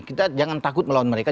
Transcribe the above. kita jangan takut melawan mereka